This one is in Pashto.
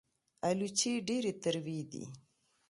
الوچې ډېرې تروې دي